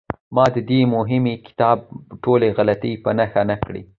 ما د دې مهم کتاب ټولې غلطۍ په نښه نه کړې.